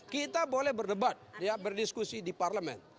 kita boleh berdebat ya berdiskusi di parlemen